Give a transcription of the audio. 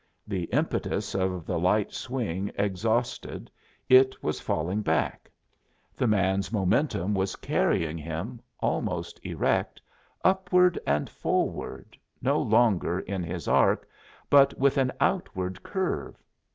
The impetus of the light swing exhausted, it was falling back; the man's momentum was carrying him, almost erect, upward and forward, no longer in his arc, but with an outward curve.